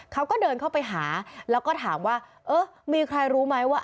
เขาก็เดินเข้าไปหาแล้วก็ถามว่าเออมีใครรู้ไหมว่า